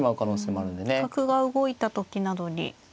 角が動いた時などに。